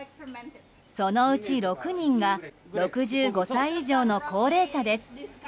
そのうち６人が６５歳以上の高齢者です。